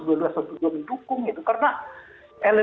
dua ratus dua belas mendukung gitu kan jadi itu mungkin juga bisa jadi ya